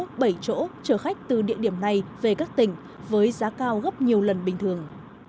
dạ sức thanh minh thế nhưng cuối cùng lái xe cùng bốn hành khách từ địa điểm này về các tỉnh với giá cao gấp nhiều lần bình thường